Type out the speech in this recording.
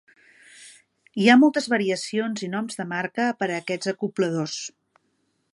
Hi ha moltes variacions i noms de marca per a aquests acobladors.